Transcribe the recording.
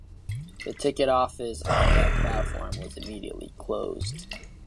The ticket office on that platform was immediately closed.